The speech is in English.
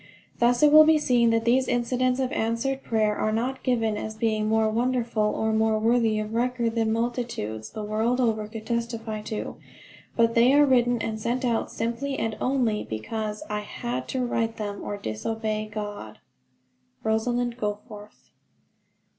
Thus it will be seen that these incidents of answered prayer are not given as being more wonderful, or more worthy of record, than multitudes the world over could testify to; but they are written and sent out simply and only because I had to write them or disobey God. ROSALIND GOFORTH.